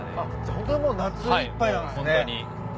ホントにもう夏いっぱいなんですね。